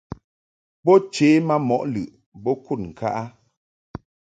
Bo che ma mɔʼ lɨʼ bo kud ŋka a.